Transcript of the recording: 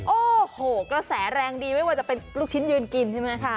โอ้โหกระแสแรงดีไม่ว่าจะเป็นลูกชิ้นยืนกินใช่ไหมคะ